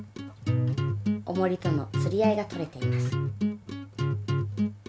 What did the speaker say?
おもりとのつりあいがとれています。